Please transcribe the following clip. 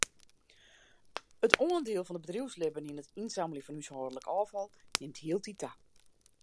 It oandiel fan it bedriuwslibben yn it ynsammeljen fan húshâldlik ôffal nimt hieltyd ta.